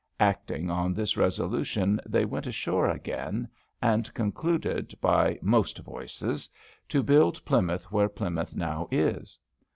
Acting on this resolution they went ashore again, and concluded by "most voices" to build Plymouth where Plymouth now is.